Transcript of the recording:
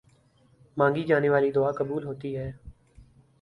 مانگی جانے والی دعا قبول ہوتی ہے۔